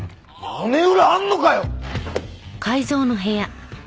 屋根裏あんのかよ！